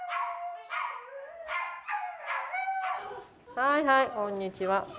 はいはいこんにちは。